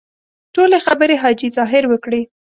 ټولې خبرې حاجي ظاهر وکړې.